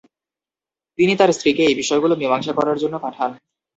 তিনি তার স্ত্রীকে এই বিষয়গুলো মীমাংসা করার জন্য পাঠান।